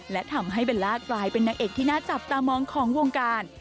และทำให้เบลล่ากลายเป็นนางเอกที่น่าจับตามองของวงการ